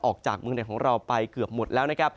ออกจากเมืองเด็ดของเราไปเกือบหมดแล้ว